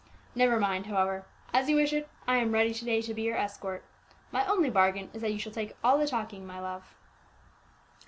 Never mind, however; as you wish it, I am ready to day to be your escort; my only bargain is that you shall take all the talking, my love."